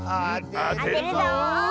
あてるぞ！